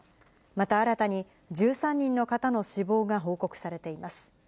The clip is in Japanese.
また、新たに１３人の方の死亡が報告されています。